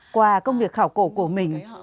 qua công việc khảo cổ của mình